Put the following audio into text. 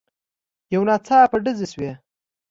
يو ناڅاپه ډزې شوې.